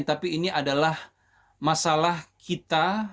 tapi ini adalah masalah kita